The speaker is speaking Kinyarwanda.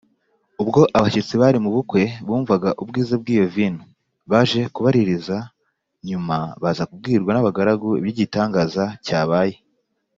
Ubwo abashyitsi bari mu bukwe bumvaga ubwiza bw’iyo vino, baje kubaririza nyuma baza kubwirwa n’abagaragu iby’igitangaza cyabaye